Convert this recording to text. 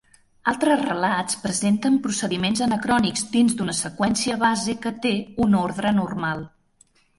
Altres relats presenten procediments anacrònics dins d'una seqüència base que té un ordre normal.